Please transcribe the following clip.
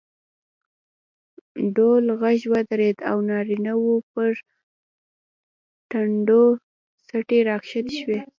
ډول غږ ودرېد او نارینه وو پر ټنډو څڼې راکښته شوې.